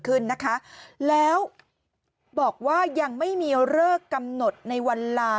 ขึ้นนะคะแล้วบอกว่ายังไม่มีเลิกกำหนดในวันลา